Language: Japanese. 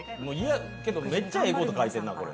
めっちゃええこと書いてんな、これ。